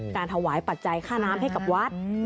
การถวายปัจจัยค่าน้ำให้กับวัด